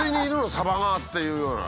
サバが！っていうような。